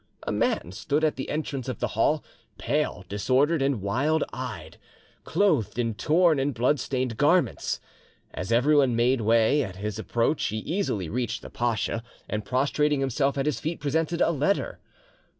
A man stood at the entrance of the hall, pale, disordered, and wild eyed, clothed in torn and blood stained garments. As everyone made way at his approach, he easily reached the pacha, and prostrating himself at his feet, presented a letter.